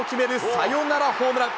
サヨナラホームラン。